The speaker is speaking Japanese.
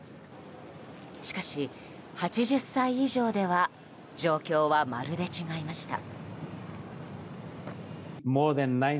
しかし、８０歳以上では状況はまるで違いました。